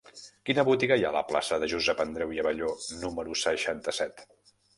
Quina botiga hi ha a la plaça de Josep Andreu i Abelló número seixanta-set?